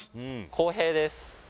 康平です